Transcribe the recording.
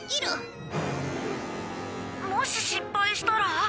もし失敗したら？